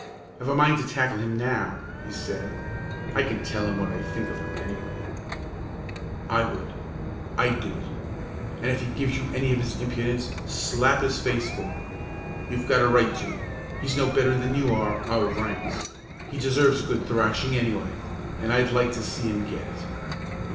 "I've a mind to tackle him now," he said. "I can tell him what I think of him, anyway." "I would; I'd do it. And if he gives you any of his impudence, slap his face for him. You've got a right to; he's no better than you are, out of ranks. He deserves a good thrashing, anyway, and I'd like to see him get it."